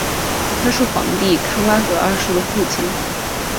他是皇帝康拉德二世的父亲。